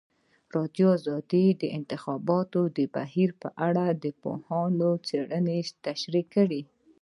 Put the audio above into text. ازادي راډیو د د انتخاباتو بهیر په اړه د پوهانو څېړنې تشریح کړې.